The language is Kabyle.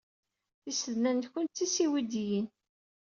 Tisednan-nwent d tiswidiyin.